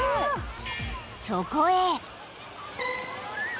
［そこへ］